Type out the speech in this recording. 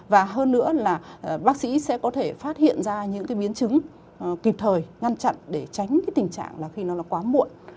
và hơn nữa là bác sĩ sẽ có thể phát hiện ra những biến chứng kịp thời ngăn chặn để tránh tình trạng khi nó quá muộn